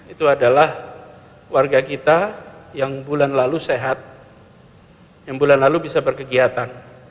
itu adalah warga kita yang bulan lalu sehat yang bulan lalu bisa berkegiatan